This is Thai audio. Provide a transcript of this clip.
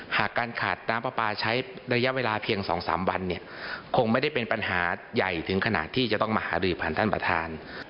หากการขาดน้ำปลาปลาใช้ระยะเวลาเพียง๒๓วันเนี่ยคงไม่ได้เป็นปัญหาใหญ่ถึงขนาดที่จะต้องมาหารือผ่านท่านประธาน